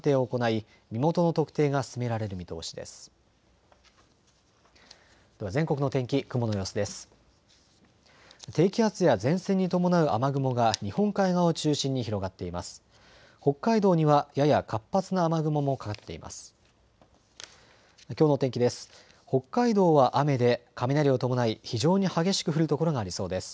北海道にはやや活発な雨雲もかかっています。